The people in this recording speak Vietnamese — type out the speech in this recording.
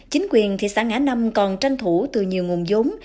chính quyền thị xã ngã năm còn tranh thủ từ nhiều nguồn giống